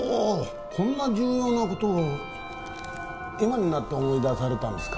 こんな重要な事を今になって思い出されたんですか？